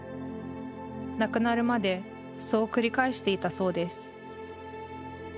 亡くなるまでそう繰り返していたそうです